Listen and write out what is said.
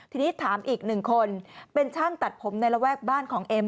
ทีนี้ถามอีกหนึ่งคนเป็นช่างตัดผมในระแวกบ้านของเอ็ม